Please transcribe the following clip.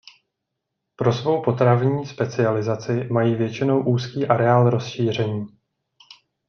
Pro svou potravní specializaci mají většinou úzký areál rozšíření.